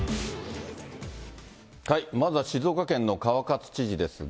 まずは静岡県の川勝知事ですが。